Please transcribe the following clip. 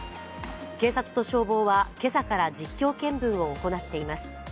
警察と消防は今朝から実況見分を行っています。